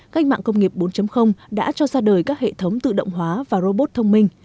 cách mạng công nghiệp bốn đã cho ra đời các hệ thống tự động hóa và robot thông minh